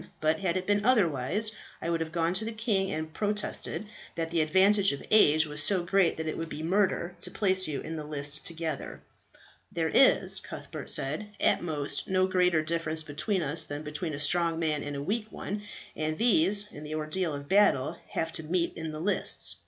But had it been otherwise, I would have gone to the king and protested that the advantage of age was so great that it would be murder to place you in the list together." "There is," Cuthbert said, "at most no greater difference between us than between a strong man and a weak one, and these, in the ordeal of battle, have to meet in the lists.